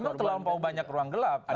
memang terlampau banyak ruang gelap